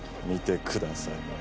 見てください。